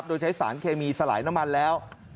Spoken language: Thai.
โดยใช้สารเคมีสลายน้ำมันแล้ว